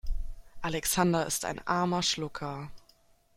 Alexander ist ein armer Schlucker.